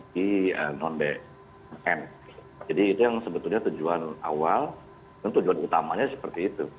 di non bm jadi itu yang sebetulnya tujuan awal dan tujuan utamanya seperti itu